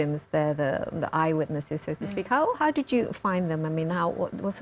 mereka adalah penglihatan bagaimana anda menemukan mereka